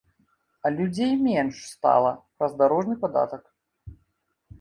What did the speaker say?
А людзей менш стала праз дарожны падатак.